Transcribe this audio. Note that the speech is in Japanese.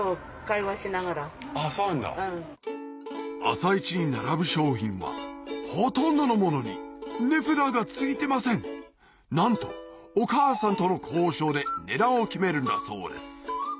朝市に並ぶ商品はほとんどのものに値札が付いてませんなんとお母さんとの交渉で値段を決めるんだそうです